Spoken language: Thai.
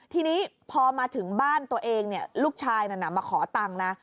ทีนี้พอมาถึงบ้านตัวเองลูกชายนั้นมาขอตังค์นะ